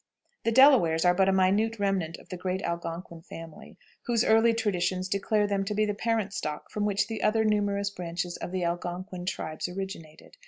The Delawares are but a minute remnant of the great Algonquin family, whose early traditions declare them to be the parent stock from which the other numerous branches of the Algonquin tribes originated.